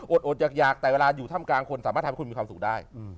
อดอยากแต่เวลาอยู่ถ้ำกลางคนสามารถทำให้คุณมีความสุขได้